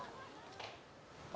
あ